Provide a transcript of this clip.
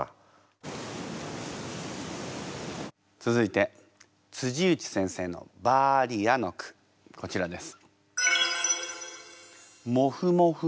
続いて内先生の「バーリア」の句こちらです。